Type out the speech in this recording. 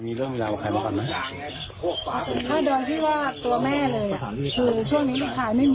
คือเมื่อวันเสาร์เนี่ยพาผู้หญิงมานอน